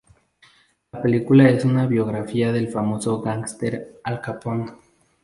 La película es una biografía del famoso gánster Al Capone.